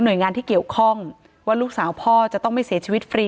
โดยงานที่เกี่ยวข้องว่าลูกสาวพ่อจะต้องไม่เสียชีวิตฟรี